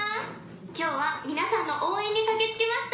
今日は皆さんの応援に駆け付けました！